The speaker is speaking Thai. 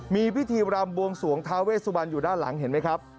มีพิธีรำบวงสวงท้าเวสบันอยู่ด้านหลังเห็นไหมครับ